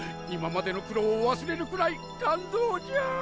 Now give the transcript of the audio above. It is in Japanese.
今までの苦労を忘れるくらい感動じゃ。